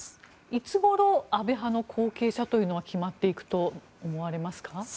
いつごろ安倍派の後継者は決まっていくと思われますか。